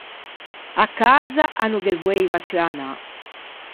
À casa a no ghe voeiva ciù anâ.